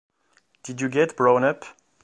Did you get blown up?